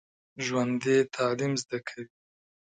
ژوندي تعلیم زده کوي